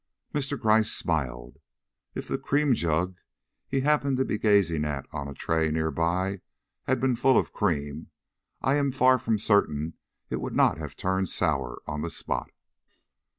Mr. Gryce smiled. If the cream jug he happened to be gazing at on a tray near by had been full of cream, I am far from certain it would not have turned sour on the spot.